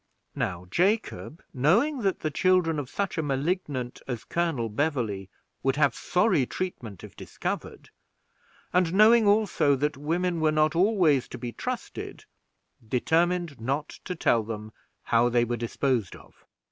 Now Jacob, knowing that the children of such a Malignant as Colonel Beverley would have sorry treatment if discovered, and knowing also that women were not always to be trusted, determined not to tell them how they were disposed of.